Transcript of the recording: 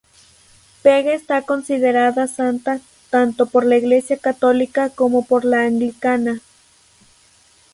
Pega está considerada santa tanto por la Iglesia Católica como por la Anglicana.